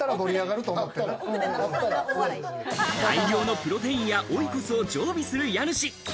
大量のプロテインやオイコスを常備する家主。